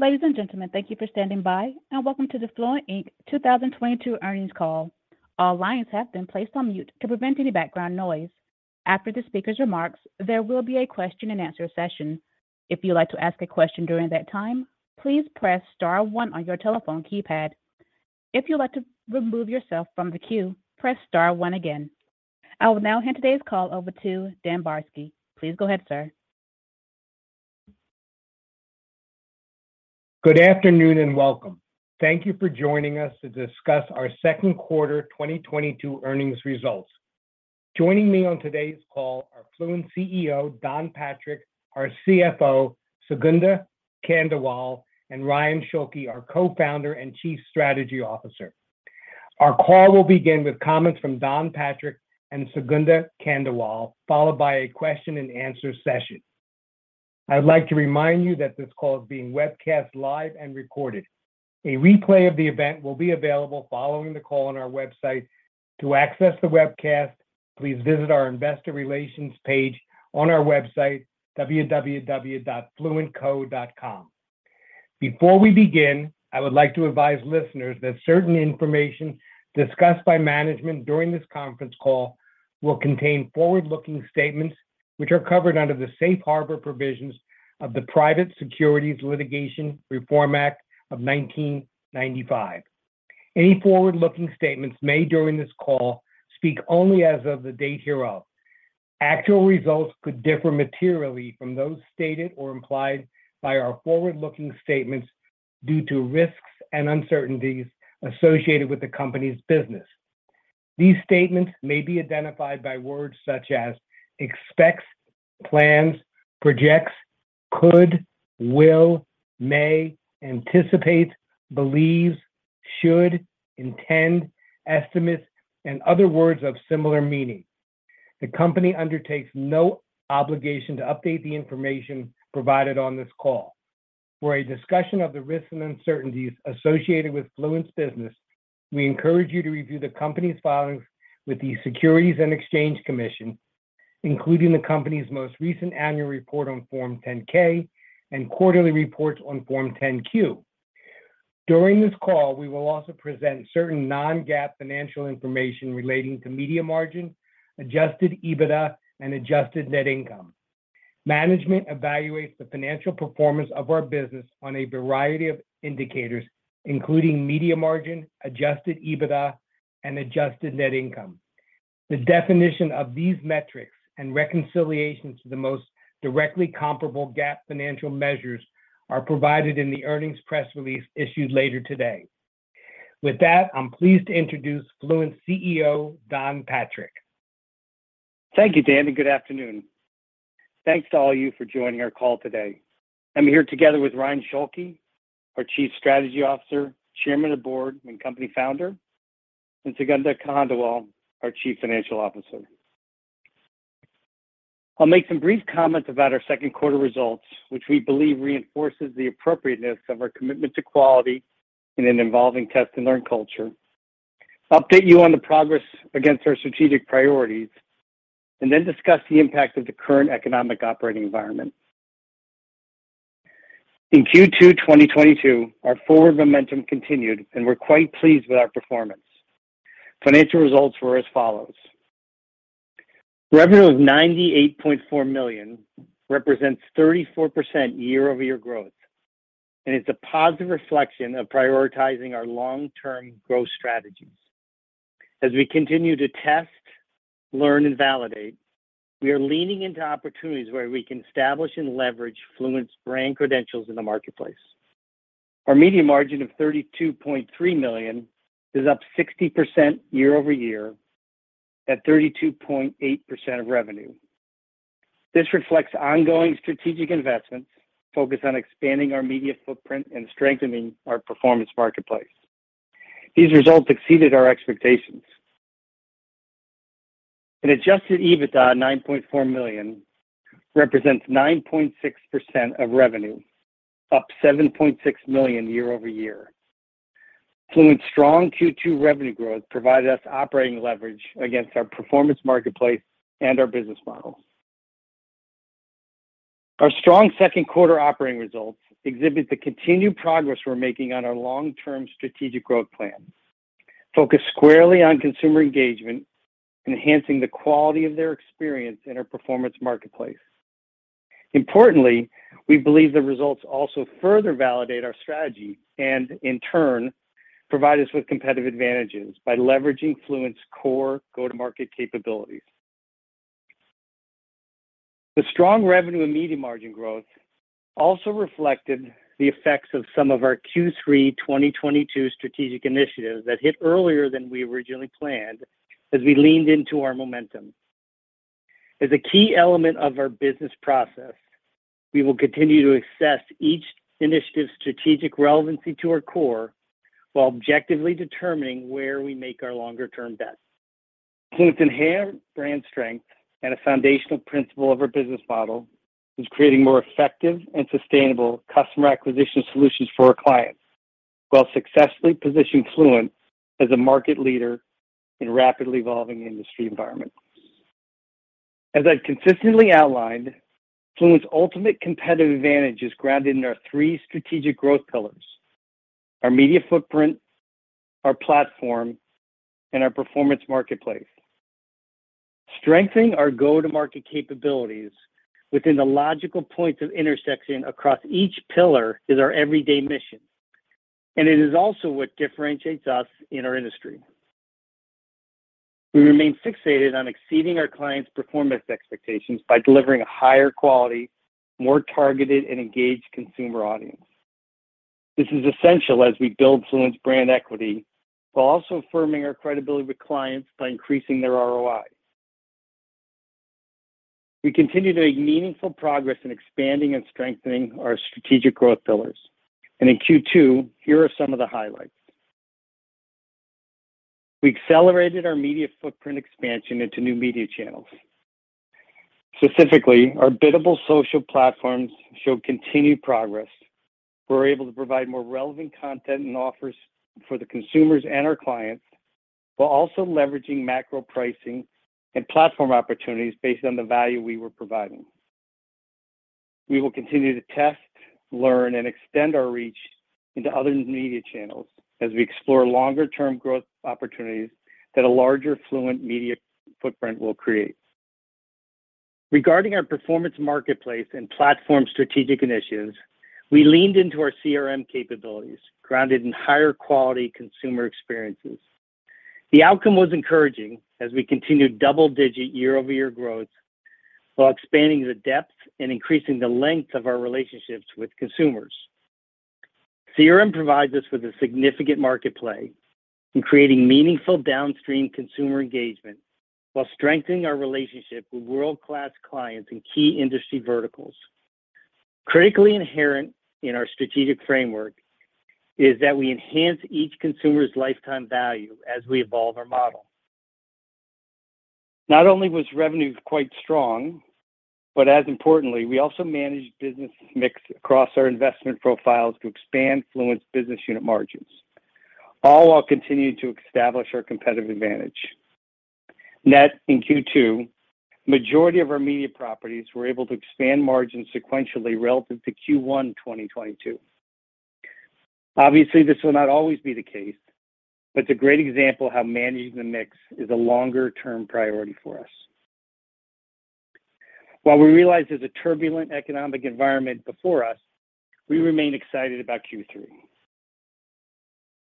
Ladies and gentlemen, Thank you for standing by, and welcome to the Fluent, Inc. 2022 earnings call. All lines have been placed on mute to prevent any background noise. After the speaker's remarks, there will be a Q&A session. If you'd like to ask a question during that time, please press star one on your telephone keypad. If you'd like to remove yourself from the queue, press star one again. I will now hand today's call over to Dan Barsky. Please go ahead, sir. Good afternoon and welcome. Thank you for joining us to discuss our second quarter 2022 earnings results. Joining me on today's call are Fluent CEO, Don Patrick, our CFO, Sugandha Khandelwal, and Ryan Schulke, our Co-Founder and Chief Strategy Officer. Our call will begin with comments from Don Patrick and Sugandha Khandelwal, followed by a Q&A session. I'd like to remind you that this call is being webcast live and recorded. A replay of the event will be available following the call on our website. To access the webcast, please visit our investor relations page on our website, www.fluentco.com. Before we begin, I would like to advise listeners that certain information discussed by management during this conference call will contain forward-looking statements which are covered under the Safe Harbor provisions of the Private Securities Litigation Reform Act of 1995. Any forward-looking statements made during this call speak only as of the date hereof. Actual results could differ materially from those stated or implied by our forward-looking statements due to risks and uncertainties associated with the company's business. These statements may be identified by words such as expects, plans, projects, could, will, may, anticipate, believes, should, intend, estimates, and other words of similar meaning. The company undertakes no obligation to update the information provided on this call. For a discussion of the risks and uncertainties associated with Fluent's business, we encourage you to review the company's filings with the Securities and Exchange Commission, including the company's most recent annual report on Form 10-K and quarterly reports on Form 10-Q. During this call, we will also present certain non-GAAP financial information relating to media margin, adjusted EBITDA, and adjusted net income. Management evaluates the financial performance of our business on a variety of indicators, including media margin, adjusted EBITDA, and adjusted net income. The definition of these metrics and reconciliation to the most directly comparable GAAP financial measures are provided in the earnings press release issued later today. With that, I'm pleased to introduce Fluent's CEO, Don Patrick. Thank you, Dan, and Good Afternoon. Thanks to all of you for joining our call today. I'm here together with Ryan Schulke, our Chief Strategy Officer, Chairman of the Board, and Company Founder, and Sugandha Khandelwal, our Chief Financial Officer. I'll make some brief comments about our second quarter results, which we believe reinforces the appropriateness of our commitment to quality in an evolving test-and-learn culture. I'll update you on the progress against our strategic priorities, and then discuss the impact of the current economic operating environment. In Q2 2022, our forward momentum continued, and we're quite pleased with our performance. Financial results were as follows. Revenue of $98.4 million represents 34% year-over-year growth, and it's a positive reflection of prioritizing our long-term growth strategies. As we continue to test, learn, and validate, we are leaning into opportunities where we can establish and leverage Fluent's brand credentials in the marketplace. Our media margin of $32.3 million is up 60% year-over-year at 32.8% of revenue. This reflects ongoing strategic investments focused on expanding our media footprint and strengthening our performance marketplace. These results exceeded our expectations. An adjusted EBITDA of $9.4 million represents 9.6% of revenue, up $7.6 million year-over-year. Fluent's strong Q2 revenue growth provided us operating leverage against our performance marketplace and our business model. Our strong second quarter operating results exhibit the continued progress we're making on our long-term strategic growth plan, focused squarely on consumer engagement, enhancing the quality of their experience in our performance marketplace. Importantly, we believe the results also further validate our strategy and, in turn, provide us with competitive advantages by leveraging Fluent's core go-to-market capabilities. The strong revenue and media margin growth also reflected the effects of some of our Q3 2022 strategic initiatives that hit earlier than we originally planned as we leaned into our momentum. As a key element of our business process, we will continue to assess each initiative's strategic relevancy to our core while objectively determining where we make our longer-term bets. Fluent's inherent brand strength and a foundational principle of our business model is creating more effective and sustainable customer acquisition solutions for our clients while successfully positioning Fluent as a market leader in a rapidly evolving industry environment. As I've consistently outlined, Fluent's ultimate competitive advantage is grounded in our three strategic growth pillars, our media footprint, our platform, and our performance marketplace. Strengthening our go-to-market capabilities within the logical points of intersection across each pillar is our everyday mission, and it is also what differentiates us in our industry. We remain fixated on exceeding our clients' performance expectations by delivering a higher quality, more targeted, and engaged consumer audience. This is essential as we build Fluent's brand equity while also affirming our credibility with clients by increasing their ROI. We continue to make meaningful progress in expanding and strengthening our strategic growth pillars, and in Q2, here are some of the highlights. We accelerated our media footprint expansion into new media channels. Specifically, our biddable social platforms showed continued progress. We're able to provide more relevant content and offers for the consumers and our clients while also leveraging macro pricing and platform opportunities based on the value we were providing. We will continue to test, learn, and extend our reach into other media channels as we explore longer-term growth opportunities that a larger Fluent media footprint will create. Regarding our performance marketplace and platform strategic initiatives, we leaned into our CRM capabilities, grounded in higher quality consumer experiences. The outcome was encouraging as we continued double-digit year-over-year growth while expanding the depth and increasing the length of our relationships with consumers. CRM provides us with a significant market play in creating meaningful downstream consumer engagement while strengthening our relationship with world-class clients in key industry verticals. Critically inherent in our strategic framework is that we enhance each consumer's lifetime value as we evolve our model. Not only was revenue quite strong, but as importantly, we also managed business mix across our investment profiles to expand Fluent's business unit margins, all while continuing to establish our competitive advantage. Net, in Q2, majority of our media properties were able to expand margins sequentially relative to Q1 2022. Obviously, this will not always be the case, but it's a great example of how managing the mix is a longer-term priority for us. While we realize there's a turbulent economic environment before us, we remain excited about Q3.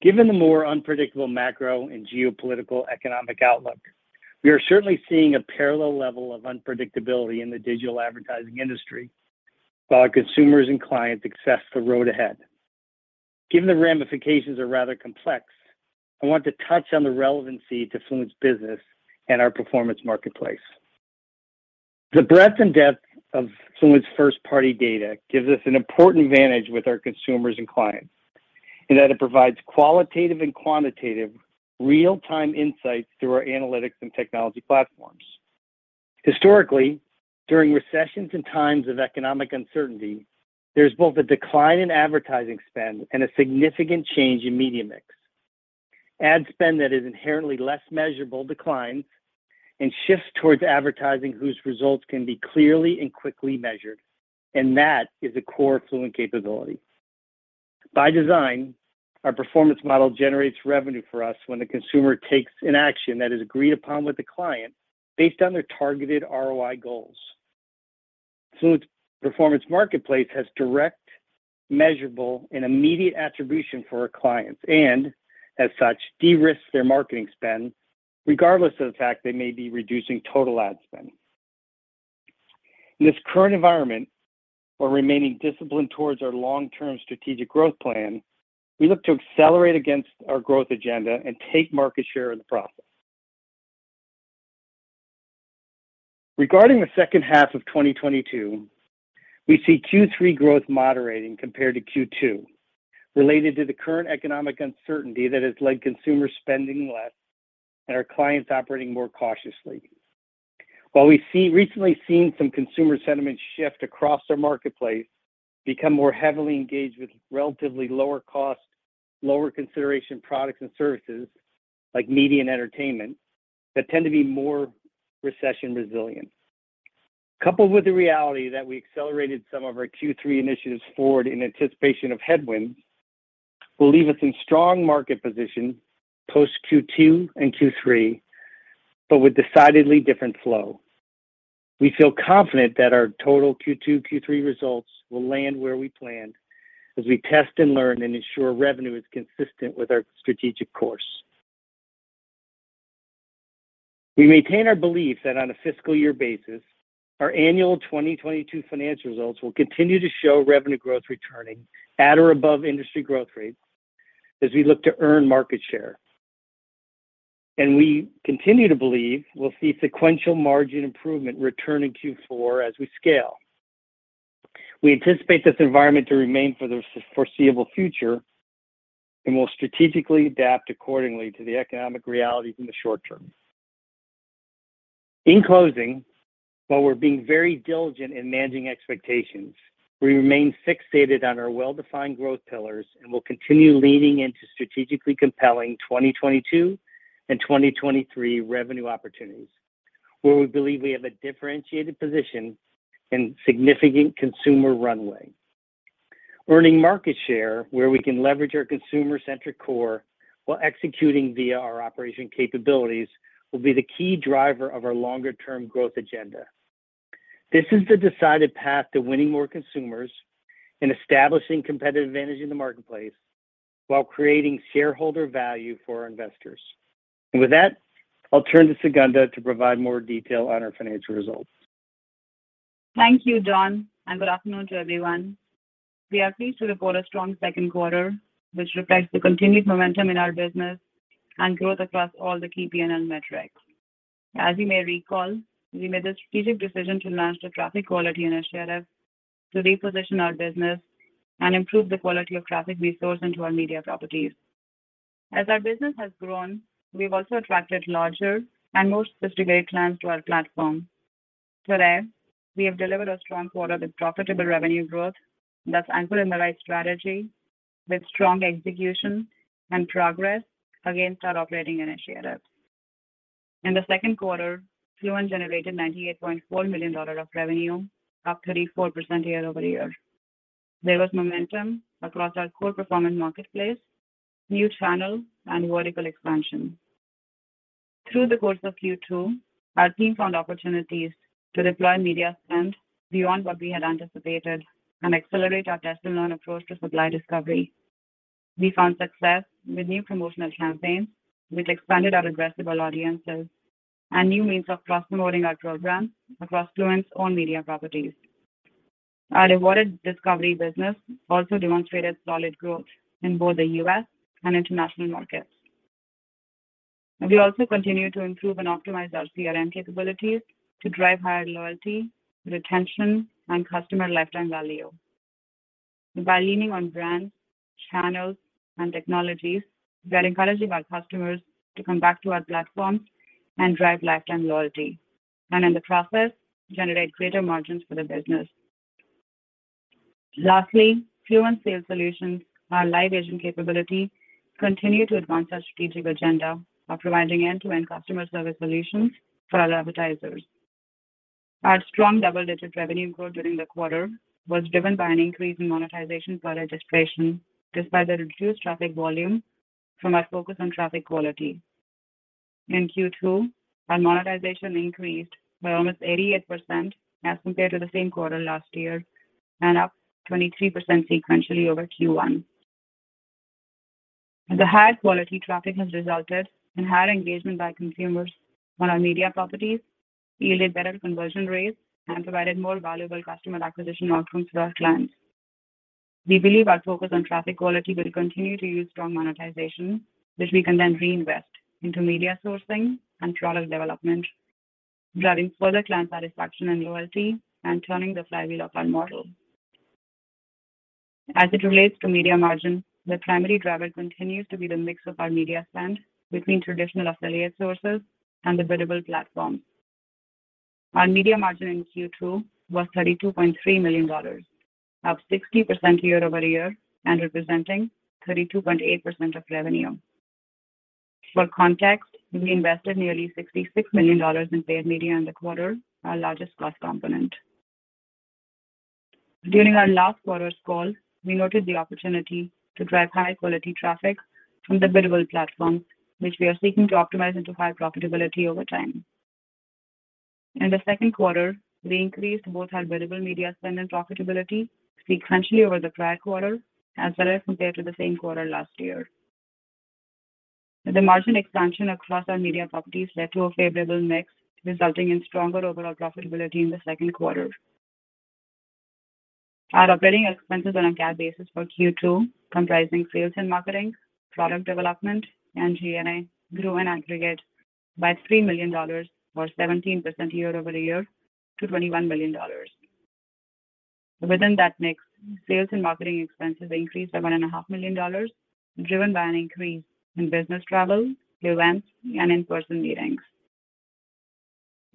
Given the more unpredictable macro and geopolitical economic outlook, we are certainly seeing a parallel level of unpredictability in the digital advertising industry while our consumers and clients assess the road ahead. Given the ramifications are rather complex, I want to touch on the relevancy to Fluent's business and our performance marketplace. The breadth and depth of Fluent's first-party data gives us an important advantage with our consumers and clients in that it provides qualitative and quantitative real-time insights through our analytics and technology platforms. Historically, during recessions and times of economic uncertainty, there's both a decline in advertising spend and a significant change in media mix. Ad spend that is inherently less measurable declines and shifts towards advertising whose results can be clearly and quickly measured, and that is a core Fluent capability. By design, our performance model generates revenue for us when the consumer takes an action that is agreed upon with the client based on their targeted ROI goals. Fluent's performance marketplace has direct, measurable, and immediate attribution for our clients and as such, de-risks their marketing spend regardless of the fact they may be reducing total ad spend. In this current environment, while remaining disciplined towards our long-term strategic growth plan, we look to accelerate against our growth agenda and take market share in the process. Regarding the second half of 2022, we see Q3 growth moderating compared to Q2 related to the current economic uncertainty that has led to consumers spending less and our clients operating more cautiously. While we've recently seen some consumer sentiment shift across our marketplace become more heavily engaged with relatively lower cost, lower consideration products and services like media and entertainment that tend to be more recession resilient. Coupled with the reality that we accelerated some of our Q3 initiatives forward in anticipation of headwinds, will leave us in strong market position post Q2 and Q3, but with decidedly different flow. We feel confident that our total Q2, Q3 results will land where we planned as we test and learn and ensure revenue is consistent with our strategic course. We maintain our belief that on a fiscal year basis, our annual 2022 financial results will continue to show revenue growth returning at or above industry growth rates as we look to earn market share. We continue to believe we'll see sequential margin improvement return in Q4 as we scale. We anticipate this environment to remain for the foreseeable future, and we'll strategically adapt accordingly to the economic realities in the short term. In closing, while we're being very diligent in managing expectations. We remain fixated on our well-defined growth pillars and will continue leaning into strategically compelling 2022 and 2023 revenue opportunities, where we believe we have a differentiated position and significant consumer runway. Earning market share where we can leverage our consumer-centric core while executing via our operational capabilities will be the key driver of our longer-term growth agenda. This is the decided path to winning more consumers and establishing competitive advantage in the marketplace while creating shareholder value for our investors. With that, I'll turn to Sugandha to provide more detail on our financial results. Thank you, Don, and Good Afternoon to everyone. We are pleased to report a strong second quarter, which reflects the continued momentum in our business and growth across all the key PNL metrics. As you may recall, we made the strategic decision to launch the traffic quality initiative to reposition our business and improve the quality of traffic we source into our media properties. As our business has grown, we've also attracted larger and more sophisticated clients to our platform. Today, we have delivered a strong quarter with profitable revenue growth that's anchored in the right strategy with strong execution and progress against our operating initiatives. In the second quarter, Fluent generated $98.4 million of revenue, up 34% year-over-year. There was momentum across our core performance marketplace, new channel, and vertical expansion. Through the course of Q2, our team found opportunities to deploy media spend beyond what we had anticipated and accelerate our test and learn approach to supply discovery. We found success with new promotional campaigns, which expanded our addressable audiences and new means of cross-promoting our programs across Fluent's own media properties. Our Reward Discovery business also demonstrated solid growth in both the U.S. and international markets. We also continue to improve and optimize our CRM capabilities to drive higher loyalty, retention, and customer lifetime value. By leaning on brands, channels, and technologies that encourage our customers to come back to our platform and drive lifetime loyalty, and in the process, generate greater margins for the business. Lastly, Fluent Sales Solutions, our live agent capability, continue to advance our strategic agenda of providing end-to-end customer service solutions for our advertisers. Our strong double-digit revenue growth during the quarter was driven by an increase in monetization per registration, despite the reduced traffic volume from our focus on traffic quality. In Q2, our monetization increased by almost 88% as compared to the same quarter last year and up 23% sequentially over Q1. The higher quality traffic has resulted in higher engagement by consumers on our media properties, yielded better conversion rates, and provided more valuable customer acquisition outcomes to our clients. We believe our focus on traffic quality will continue to yield strong monetization, which we can then reinvest into media sourcing and product development, driving further client satisfaction and loyalty and turning the flywheel of our model. As it relates to media margin, the primary driver continues to be the mix of our media spend between traditional affiliate sources and the biddable platform. Our media margin in Q2 was $32.3 million, up 60% year-over-year and representing 32.8% of revenue. For context, we invested nearly $66 million in paid media in the quarter, our largest cost component. During our last quarter's call, we noted the opportunity to drive high-quality traffic from the biddable platform, which we are seeking to optimize into higher profitability over time. In the second quarter, we increased both our biddable media spend and profitability sequentially over the prior quarter as well as compared to the same quarter last year. The margin expansion across our media properties led to a favorable mix, resulting in stronger overall profitability in the second quarter. Our operating expenses on a GAAP basis for Q2, comprising sales and marketing, product development, and G&A, grew in aggregate by $3 million or 17% year-over-year to $21 million. Within that mix, sales and marketing expenses increased by $1.5 million, driven by an increase in business travel, events, and in-person meetings.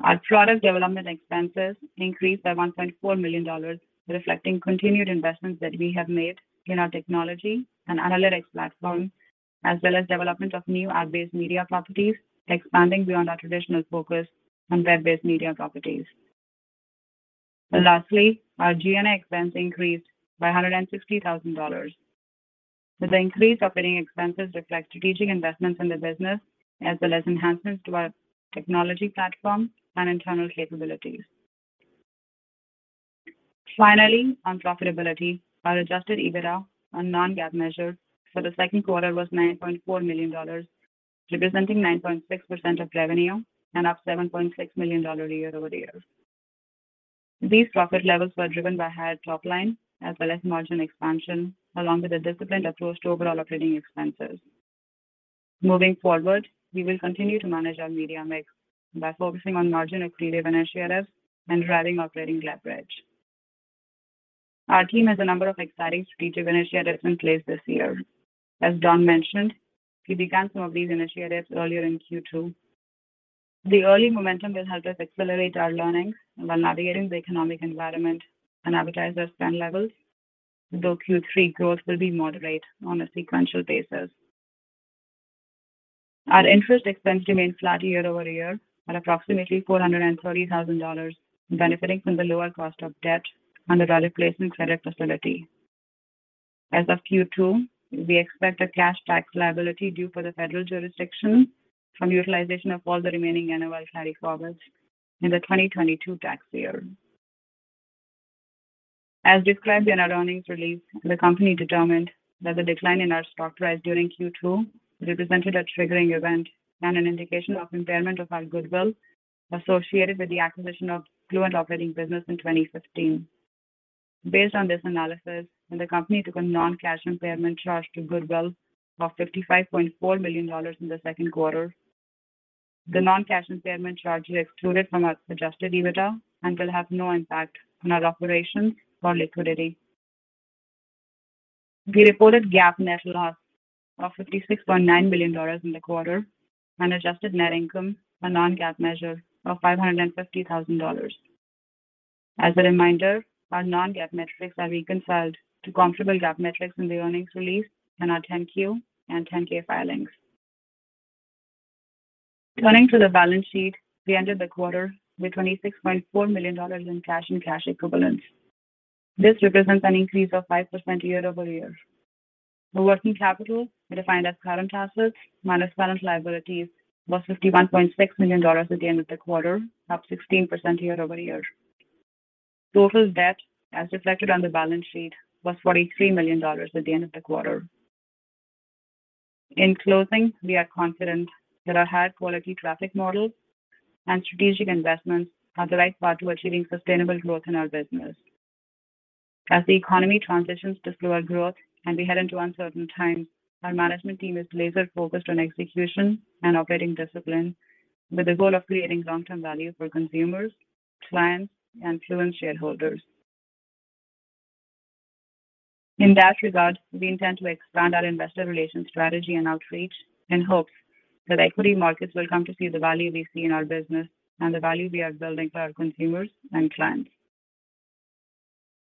Our product development expenses increased by $1.4 million, reflecting continued investments that we have made in our technology and analytics platform, as well as development of new ad-based media properties, expanding beyond our traditional focus on web-based media properties. Lastly, our G&A expense increased by $160,000. The increase in operating expenses reflect strategic investments in the business as well as enhancements to our technology platform and internal capabilities. Finally, on profitability, our adjusted EBITDA, a non-GAAP measure, for the second quarter was $9.4 million, representing 9.6% of revenue and up $7.6 million year-over-year. These profit levels were driven by higher top line as well as margin expansion, along with a disciplined approach to overall operating expenses. Moving forward, we will continue to manage our media mix by focusing on margin-accretive initiatives and driving operating leverage. Our team has a number of exciting strategic initiatives in place this year. As Don mentioned, we began some of these initiatives earlier in Q2. The early momentum will help us accelerate our learnings while navigating the economic environment and advertiser spend levels, though Q3 growth will be moderate on a sequential basis. Our interest expenses remains flat year-over-year at approximately $430,000, benefiting from the lower cost of debt on the replacement credit facility. As of Q2, we expect a cash tax liability due for the federal jurisdiction from utilization of all the remaining annual carryforwards in the 2022 tax year. As described in our earnings release, the company determined that the decline in our stock price during Q2 represented a triggering event and an indication of impairment of our goodwill associated with the acquisition of Fluent operating business in 2015. Based on this analysis, the company took a non-cash impairment charge to goodwill of $55.4 million in the second quarter. The non-cash impairment charge is excluded from our adjusted EBITDA and will have no impact on our operations or liquidity. We reported GAAP net loss of $56.9 million in the quarter and adjusted net income, a non-GAAP measure of $550,000. As a reminder, our non-GAAP metrics are reconciled to comparable GAAP metrics in the earnings release in our 10-Q and 10-K filings. Turning to the balance sheet, we ended the quarter with $26.4 million in cash and cash equivalents. This represents an increase of 5% year-over-year. Our working capital, defined as current assets minus current liabilities, was $51.6 million at the end of the quarter, up 16% year-over-year. Total debt, as reflected on the balance sheet, was $43 million at the end of the quarter. In closing, we are confident that our high-quality traffic models and strategic investments are the right path to achieving sustainable growth in our business. As the economy transitions to slower growth and we head into uncertain times, our management team is laser-focused on execution and operating discipline with the goal of creating long-term value for consumers, clients, and Fluent shareholders. In that regard, we intend to expand our investor relations strategy and outreach in hopes that equity markets will come to see the value we see in our business and the value we are building for our consumers and clients.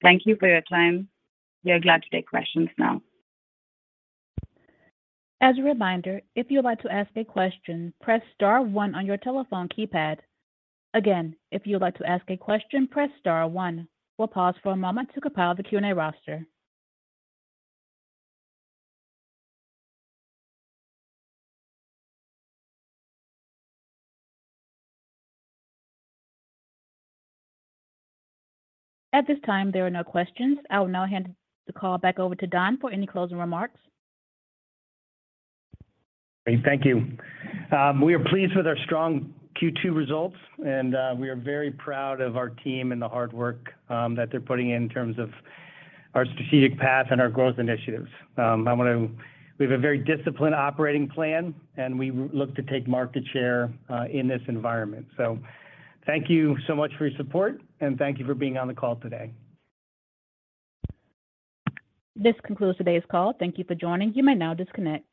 Thank you for your time. We are glad to take questions now. As a reminder, if you'd like to ask a question, press star one on your telephone keypad. Again, if you'd like to ask a question, press star one. We'll pause for a moment to compile the Q&A roster. At this time, there are no questions. I will now hand the call back over to Don for any closing remarks. Great. Thank you. We are pleased with our strong Q2 results, and we are very proud of our team and the hard work that they're putting in terms of our strategic path and our growth initiatives. We have a very disciplined operating plan, and we look to take market share in this environment. Thank you so much for your support, and thank you for being on the call today. This concludes today's call. Thank you for joining. You may now disconnect.